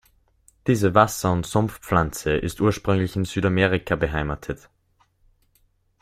Diese Wasser- und Sumpfpflanze ist ursprünglich in Südamerika beheimatet.